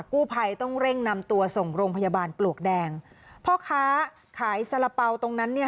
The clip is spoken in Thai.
กู้ภัยต้องเร่งนำตัวส่งโรงพยาบาลปลวกแดงพ่อค้าขายสาระเป๋าตรงนั้นเนี่ย